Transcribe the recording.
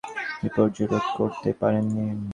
তিনি উসমানীয় সাম্রাজ্যের ভাগ্য বিপর্যয় রোধ করতে পারেননি।